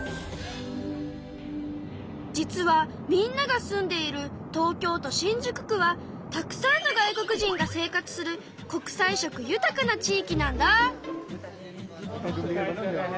実はみんなが住んでいる東京都新宿区はたくさんの外国人が生活する国際色豊かな地いきなんだ。